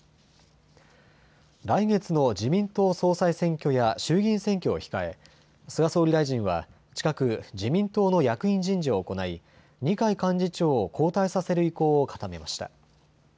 来月の自民党総裁選挙や衆議院選挙を控え菅総理大臣は近く自民党の役員人事を行い二階幹事長を交代させる意向を固めました。